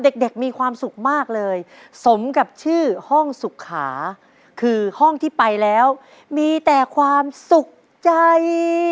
เด็กมีความสุขมากเลยสมกับชื่อห้องสุขาคือห้องที่ไปแล้วมีแต่ความสุขใจ